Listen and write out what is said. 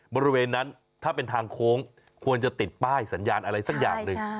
บริเวณนั้นถ้าเป็นทางโค้งควรจะติดป้ายสัญญาณอะไรสักอย่างหนึ่ง